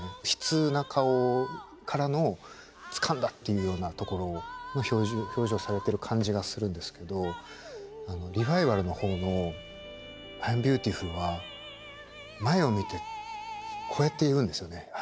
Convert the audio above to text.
悲痛な顔からのつかんだ！っていうようなところの表情をされてる感じがするんですけどリバイバルの方の「アイムビューティフル」は前を見てこうやって言うんですよね。